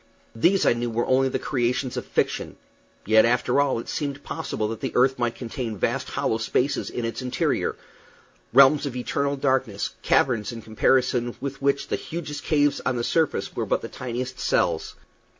These, I knew, were only the creations of fiction; yet, after all, it seemed possible that the earth might contain vast hollow spaces in its interior realms of eternal darkness, caverns in comparison with which the hugest caves on the surface were but the tiniest cells.